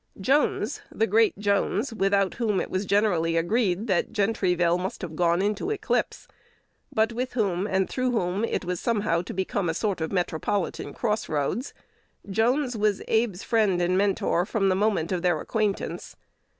Jones, the great Jones, without whom it was generally agreed that Gentryville must have gone into eclipse, but with whom, and through whom, it was somehow to become a sort of metropolitan cross roads, Jones was Abe's friend and mentor from the moment of their acquaintance.